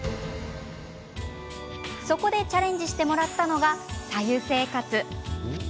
そこでチャレンジしてもらったのが白湯生活。